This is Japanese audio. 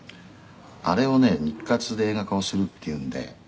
「あれをね日活で映画化をするっていうので」